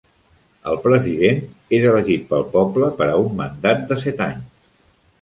El president és elegit pel poble per a un mandat de set anys.